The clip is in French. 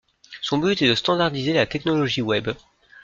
Son but est de standardiser la technologie web.